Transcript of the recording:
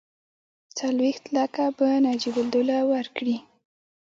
څلوېښت لکه به نجیب الدوله ورکړي.